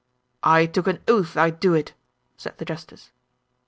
"I took an oath I'd do it," said the justice.